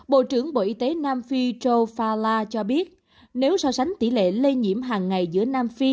bộ trưởng bộ y tế nam phi trâu phala cho biết nếu so sánh tỷ lệ lây nhiễm hàng ngày giữa nam phi